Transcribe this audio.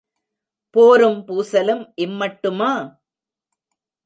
போரும் பூசலும் இம் மட்டுமா?